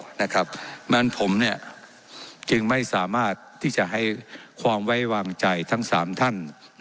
เพราะฉะนั้นผมจึงไม่สามารถที่จะให้ความไว้วางใจทั้ง๓ท่าน